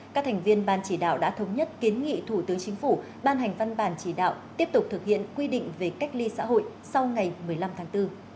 các thành viên ban chỉ đạo đã thống nhất kiến nghị thủ tướng chính phủ ban hành văn bản chỉ đạo tiếp tục thực hiện quy định về cách ly xã hội sau ngày một mươi năm tháng bốn